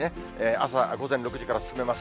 朝午前６時から進めます。